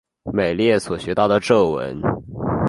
美列所学到的咒文。